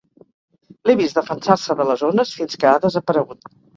L'he vist defensar-se de les ones fins que ha desaparegut.